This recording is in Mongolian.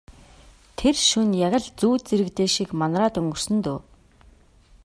Тэр шөнө яг л зүүд зэрэглээ шиг манараад өнгөрсөн дөө.